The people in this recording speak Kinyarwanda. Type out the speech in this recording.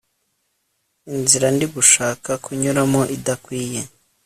inzira ndigushaka kunyuramo idakwiye